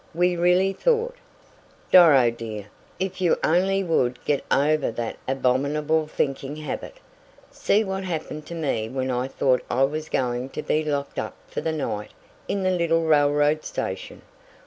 "We really thought " "Doro, dear, if you only would get over that abominable thinking habit! See what happened to me when I thought I was was going to be locked up for the night in the little railroad station!